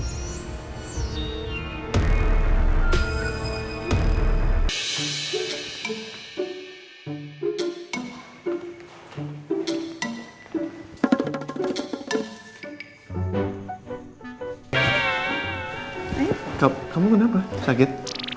kamu kenapa sakit